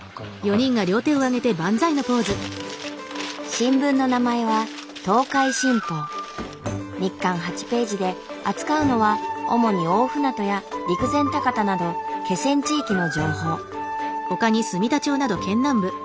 新聞の名前は日刊８ページで扱うのは主に大船渡や陸前高田など気仙地域の情報。